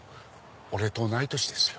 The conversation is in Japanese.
俺と同い年ですよ。